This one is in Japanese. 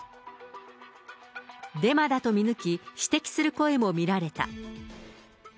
デマだと見抜き、指摘する声も見られた。